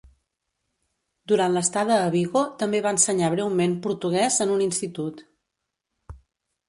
Durant l'estada a Vigo també va ensenyar breument portuguès en un institut.